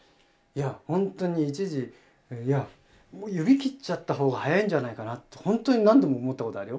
ホントに一時指切っちゃった方が早いんじゃないかなってホントに何度も思ったことあるよ。